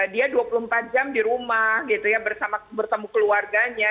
dia dua puluh empat jam di rumah gitu ya bertemu keluarganya